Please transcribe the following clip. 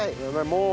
もう。